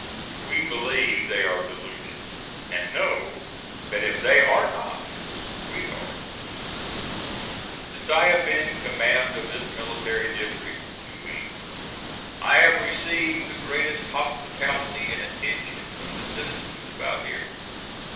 We believe they are deluded, and know that if they are not, we are. Since I have been in command of this military district, (two weeks), I have received the greatest hospitality and attention from the citizens about here.